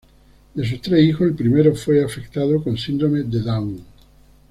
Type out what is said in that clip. De sus tres hijos, el primero fue afectado con síndrome de Down.